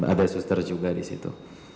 ada suster juga disitu